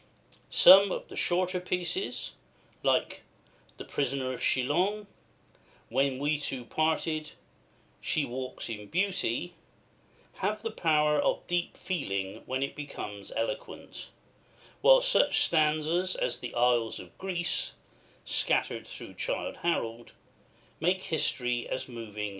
Some of the shorter pieces, like the "Prisoner of Chillon," "When We Two Parted," "She Walks in Beauty," have the power of deep feeling when it becomes eloquent; while such stanzas as "The Isles of Greece," scattered through "Childe Harold," make history as moving as poetry.